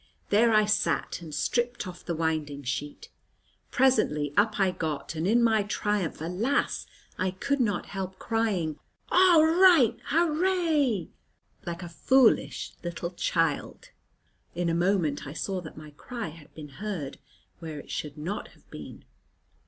There I sat and stripped off the winding sheet. Presently, up I got, and, in my triumph, alas! could not help crying "All right, Hurrah!" like a foolish little child. In a moment I saw that my cry had been heard, where it should not have been.